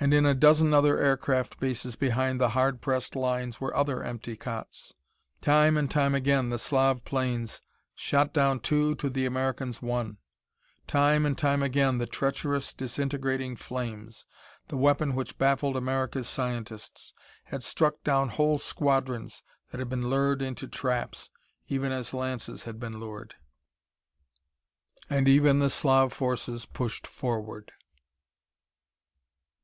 And in a dozen other aircraft bases behind the hard pressed lines were other empty cots. Time and time again the Slav planes shot down two to the Americans' one; time and time again the treacherous disintegrating flames the weapon which baffled America's scientists had struck down whole squadrons that had been lured into traps, even as Lance's had been lured. And even the Slav forces pushed forward....